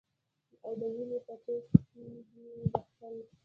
او د وینې پۀ ټېسټ کښې دې د خپل